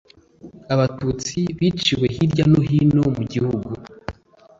Abatutsi biciwe hirya no hino mu gihugu